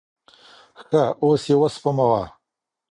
ښه اوس یې اوسپموه.